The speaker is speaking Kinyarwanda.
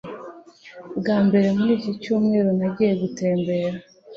Bwa mbere muri iki cyumweru nagiye gutembera